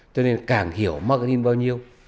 cho nên càng hiểu marketing bao nhiêu